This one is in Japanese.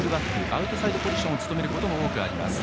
アウトサイドポジションを務めることも多くあります。